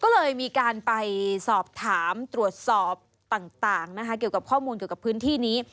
ก็เลยมีการไปสอบถามตรวจสอบต่างนะคะเกี่ยวกับข้อมูลเกี่ยวกับพื้นที่นี้